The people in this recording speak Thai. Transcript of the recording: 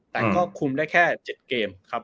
แต่ก็คุมได้แค่๗เกมครับ